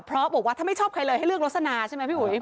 เพราะบอกว่าถ้าไม่ชอบใครเลยให้เลือกลสนาใช่ไหมพี่อุ๋ย